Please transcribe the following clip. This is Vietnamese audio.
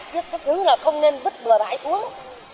chứ thứ là không nên bứt bừa bãi uống